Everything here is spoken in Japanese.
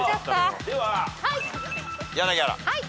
では柳原。